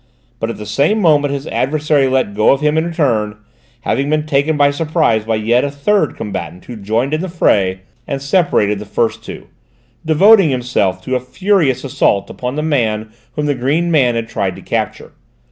But at the same moment his adversary let go of him in turn, having been taken by surprise by yet a third combatant who joined in the fray and separated the first two, devoting himself to a furious assault upon the man whom the green man had tried to capture.